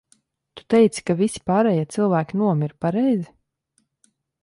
Tu teici, ka visi pārējie cilvēki nomira, pareizi?